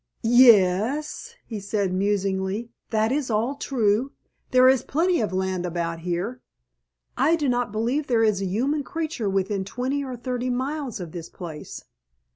"Ye es," he said musingly, "that is all true. There is plenty of land about here—I do not believe there is a human creature within twenty or thirty miles of this place.